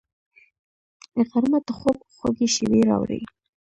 غرمه د خوب خوږې شېبې راوړي